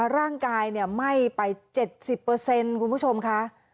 ร่างกายไหม้ไป๗๐คุณผู้ชมค่ะ